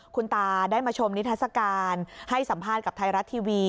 คุณตาได้มาชมนิทัศกาลให้สัมภาษณ์กับไทยรัฐทีวี